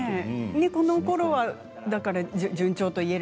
このころは順調と言える。